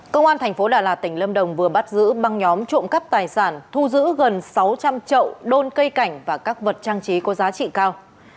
công an thành phố đà lạt tỉnh lâm đồng vừa bắt giữ băng nhóm trộm cắp tài sản thu giữ gần sáu trăm linh trậu đôn cây cảnh và các vật trang trí có giá trị cao